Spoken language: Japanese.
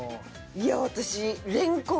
いや私。